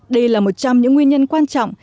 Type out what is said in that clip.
đây là một trong những nguyên nhân quan trọng